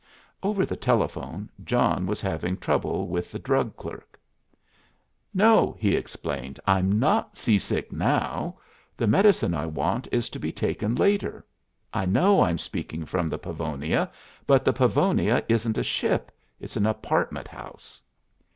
Over the telephone John was having trouble with the drug clerk. "No!" he explained, "I'm not sea sick now. The medicine I want is to be taken later. I know I'm speaking from the Pavonia; but the Pavonia isn't a ship; it's an apartment house."